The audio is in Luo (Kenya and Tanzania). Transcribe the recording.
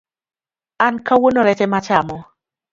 An kawuono rech emechamo